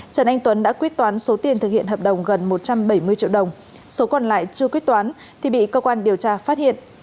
trần anh tuấn đã quyết toán số tiền thực hiện hợp đồng gần một trăm bảy mươi triệu đồng số còn lại chưa quyết toán thì bị cơ quan điều tra phát hiện